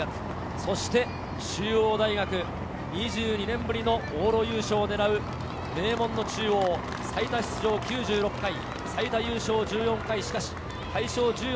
そして中央大学、２２年ぶりの往路優勝を狙う名門の中央、最多出場９６回、最多優勝１４回。